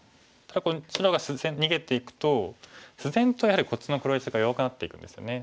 ただ白が逃げていくと自然とやはりこっちの黒石が弱くなっていくんですよね。